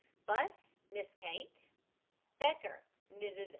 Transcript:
BUSS, MISS KATE. BECKER, MRS.